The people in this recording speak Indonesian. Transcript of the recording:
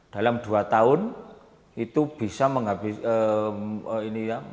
dalam dua tahun itu bisa menghabiskan